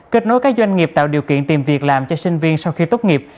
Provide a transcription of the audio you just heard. kết nối các doanh nghiệp tạo điều kiện tìm việc làm cho sinh viên sau khi tốt nghiệp